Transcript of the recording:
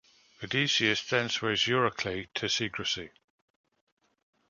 Odysseus then swears Eurycleia to secrecy.